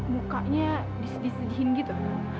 mukanya disedih sedihin gitu